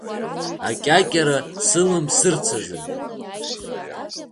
Акьакьара сылымсырцазы.